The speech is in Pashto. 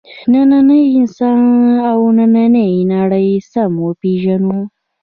نننی انسان او نننۍ نړۍ سم وپېژنو.